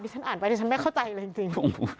ดิฉันอ่านไปแต่ฉันไม่เข้าใจอะไรจริง